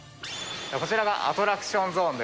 こちらがアトラクションゾー